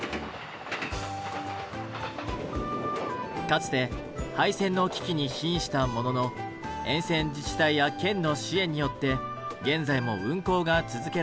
かつて廃線の危機に瀕したものの沿線自治体や県の支援によって現在も運行が続けられています。